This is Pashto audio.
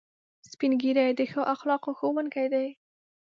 سپین ږیری د ښو اخلاقو ښوونکي دي